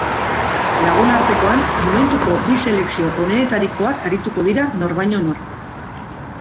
Lagunartekoan, momentuko bi selekzio onenetarikoak arituko dira nor baino nor.